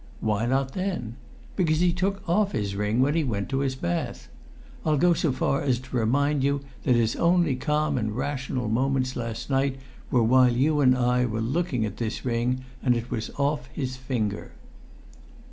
Why not then? Because he took off his ring when he went to his bath! I'll go so far as to remind you that his only calm and rational moments last night were while you and I were looking at this ring and it was off his finger!"